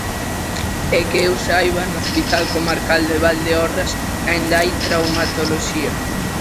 E, que eu saiba, no Hospital Comarcal de Valdeorras aínda hai traumatoloxía.